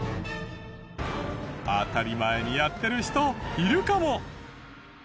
当たり前にやってる人いるかも。